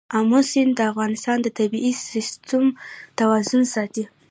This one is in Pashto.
آمو سیند د افغانستان د طبعي سیسټم توازن ساتي.